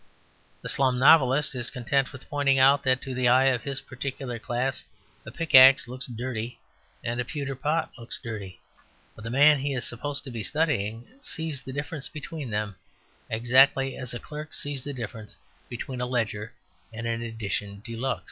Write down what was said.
The slum novelist is content with pointing out that to the eye of his particular class a pickaxe looks dirty and a pewter pot looks dirty. But the man he is supposed to be studying sees the difference between them exactly as a clerk sees the difference between a ledger and an edition de luxe.